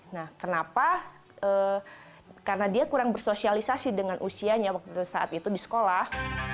nah kenapa karena dia kurang bersosialisasi dengan usianya waktu saat itu di sekolah